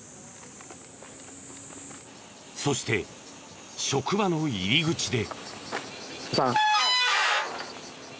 そして職場の入り口で。